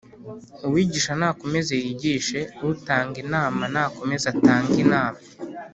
uwigisha nakomeze yigishe; utanga inama, nakomeze atange inama